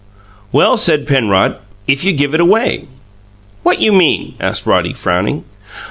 "Well," said Penrod, "if you give it away." "What you mean?" asked Roddy, frowning.